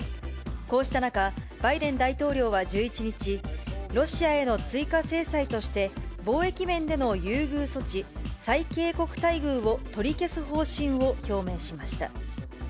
こうした中、バイデン大統領は１１日、ロシアへの追加制裁として、貿易面での優遇措置、最恵国待遇を取り消す方針を表明しました。